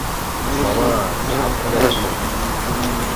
মামা, সাবধানে রাখো।